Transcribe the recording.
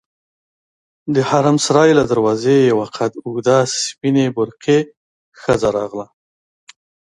د حرم سرا له دروازې یوه قد اوږده سپینې برقعې ښځه راغله.